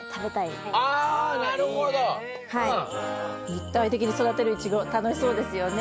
立体的に育てるイチゴ楽しそうですよね。